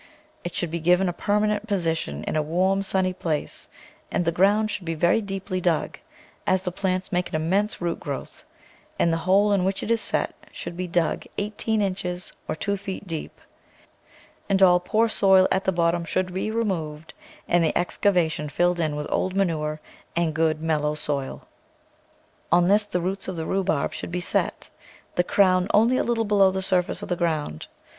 It should be given a permanent position in a warm, sunny place, and the ground should be very deeply dug, as the plants make an immense root growth, and the hole in which it is set should be dug eigh teen inches or two feet deep, and all poor soil at the bottom should be removed and the excavation filled in with old manure and good, mellow soil. On this the roots of the rhubarb should be set, the cro^\Ti only a little below the surface of the ground.